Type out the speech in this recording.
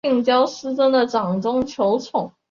氨基甲酸乙酯是高分子材料聚氨酯的原料之一。